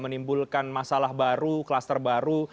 menimbulkan masalah baru kluster baru